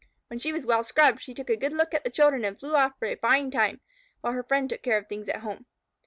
When she was well scrubbed, she took a good look at the children and flew off for a fine time, while her friend took care of things at home.